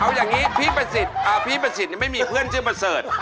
เอาอย่างนี้พี่ประสิทธิ์เออพี่ประสิทธิ์ยังไม่มีเพื่อนชื่อประเสริฐ